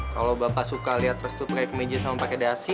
kalau bapak suka lihat restu pakai kemeja sama pakai dasi